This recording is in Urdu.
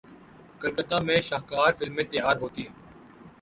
کلکتہ میں شاہکار فلمیں تیار ہوتیں۔